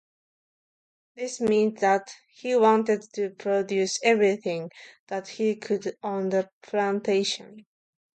This meant that he wanted to produce everything that he could on the plantation.